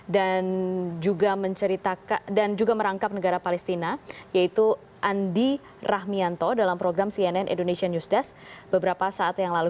dan juga menceritakan dan juga merangkap negara palestina yaitu andi rahmianto dalam program cnn indonesia news desk beberapa saat yang lalu